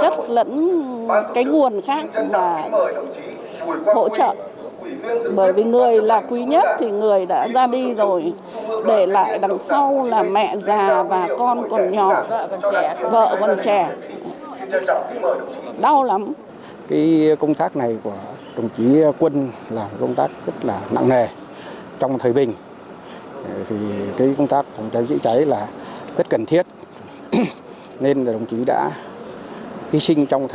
chân trọng cảm ơn đồng chí bộ trưởng và xin kính mời đại sĩ